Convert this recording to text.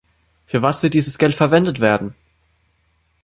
Für was wird dieses Geld verwendet werden?